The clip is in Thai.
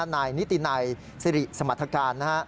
นายนิตินัยสิริสมรรถการนะฮะ